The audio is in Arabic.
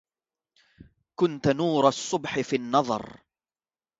كنتَ نورَ الصُبحِ في النظرِ